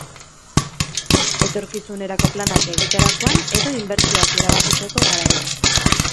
Etorkizunerako planak egiterakoan edo inbertsioak erabakitzeko garaian.